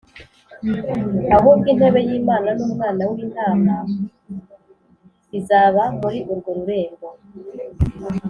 ahubwo intebe y’Imana n’Umwana w’Intama izaba muri urwo rurembo,